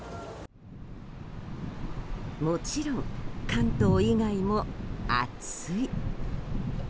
もちろん、関東以外も暑い。